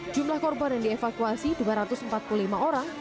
jumlah korban yang dievakuasi dua ratus empat puluh lima orang